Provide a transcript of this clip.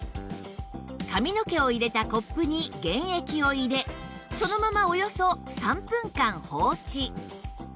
髪の毛を入れたコップに原液を入れそのままおよそ３分間放置